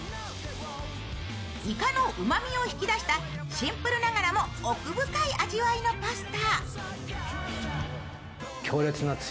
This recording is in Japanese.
イカのうまみを引き出したシンプルながらも奥深い味わいのパスタ。